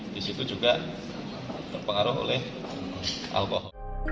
di situ juga berpengaruh oleh allah